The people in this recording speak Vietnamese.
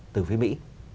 từ phía mỹ